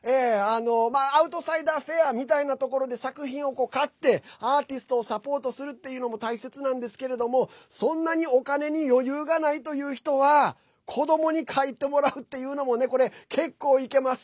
アウトサイダーフェアみたいなところで作品を買ってアーティストをサポートするっていうのも大切なんですけれどもそんなにお金に余裕がないという人は子どもに描いてもらうっていうのもねこれ、結構いけます。